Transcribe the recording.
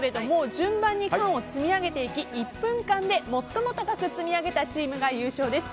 順番に缶を積み上げていき１分間で最も高く積み上げたチームが優勝です。